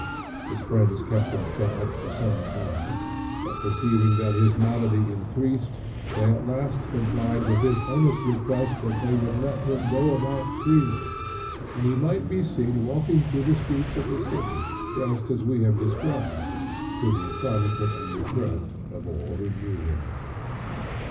His friends kept him shut up for some time, but perceiving that his malady increased, they at last complied with his earnest request that they would let him go about freely; and he might be seen walking through the streets of the city, dressed as we have described, to the astonishment and regret of all who knew him.